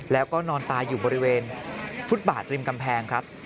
แล้วก็นอนตายอยู่บริเวณฟุตบาทริมกำแพงครับ